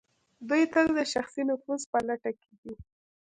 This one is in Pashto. دوی تل د شخصي نفوذ په لټه کې دي.